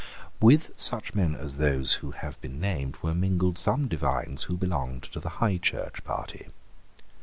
With such men as those who have been named were mingled some divines who belonged to the High Church party.